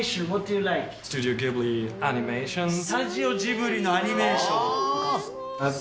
スタジオジブリのアニメーション。